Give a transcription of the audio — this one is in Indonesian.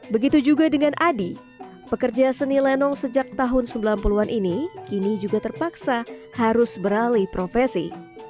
begitu juga dengan adi pekerja seni lenong sejak tahun sembilan puluh an ini kini juga terpaksa harus beralih profesi